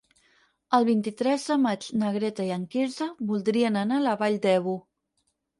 El vint-i-tres de maig na Greta i en Quirze voldrien anar a la Vall d'Ebo.